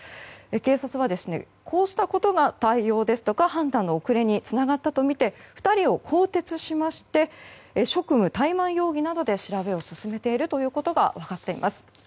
警察は、こうしたことが対応や判断の遅れにつながったとみて２人を更迭しまして職務怠慢容疑などで調べを進めていることが分かっています。